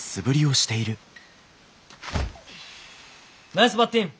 ナイスバッティング！